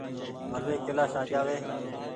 ڀلي ڪيلآش آ جآوي ۔